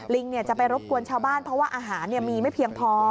จะไปรบกวนชาวบ้านเพราะว่าอาหารมีไม่เพียงพอ